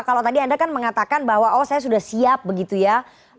kalau tadi anda kan mengatakan bahwa oh saya sudah siap begitu ya